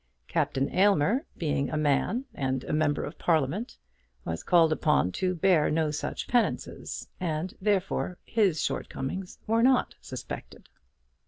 Captain Aylmer, being a man and a Member of Parliament, was called upon to bear no such penances, and, therefore, his shortcomings were not suspected.